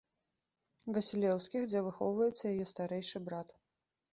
Васілеўскіх, дзе выхоўваецца яе старэйшы брат.